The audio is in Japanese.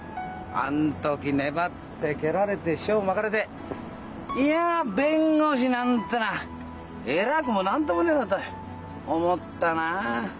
あん時粘って蹴られて塩まかれていや弁護士なんてな偉くも何ともねえなって思ったなあ。